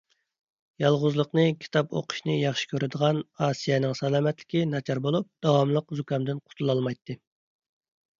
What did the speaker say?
يالغۇزلۇقنى، كىتاب ئوقۇشنى ياخشى كۆرىدىغان ئاسىيەنىڭ سالامەتلىكى ناچار بولۇپ، داۋاملىق زۇكامدىن قۇتۇلالمايتتى.